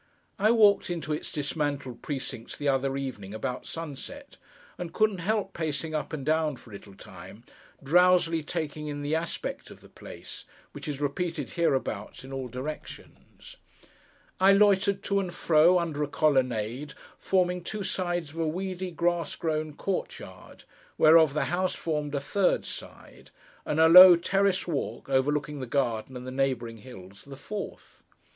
I walked into its dismantled precincts the other evening about sunset, and couldn't help pacing up and down for a little time, drowsily taking in the aspect of the place: which is repeated hereabouts in all directions. I loitered to and fro, under a colonnade, forming two sides of a weedy, grass grown court yard, whereof the house formed a third side, and a low terrace walk, overlooking the garden and the neighbouring hills, the fourth.